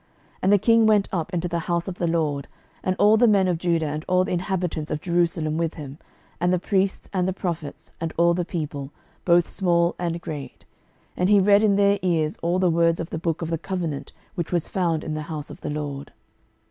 12:023:002 And the king went up into the house of the LORD, and all the men of Judah and all the inhabitants of Jerusalem with him, and the priests, and the prophets, and all the people, both small and great: and he read in their ears all the words of the book of the covenant which was found in the house of the LORD.